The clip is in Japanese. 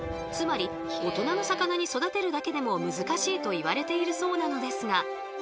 つまり大人の魚に育てるだけでも難しいといわれているそうなのですが